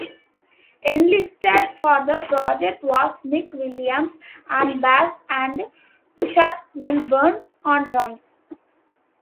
Enlisted for the project was Nick Williams on bass and Chad Wilburn on drums.